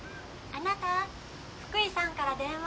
あなた福井さんから電話！